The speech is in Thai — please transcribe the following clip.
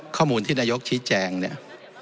ข้อมูลที่นายกชี้แจงเนี่ย